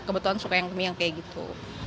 kebetulan suka yang mie yang kayak gitu